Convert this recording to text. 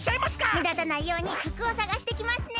めだたないようにふくをさがしてきますね！